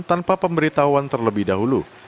tanpa pemberitahuan terlebih dahulu